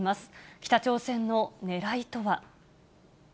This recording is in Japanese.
北朝鮮のねらいとは。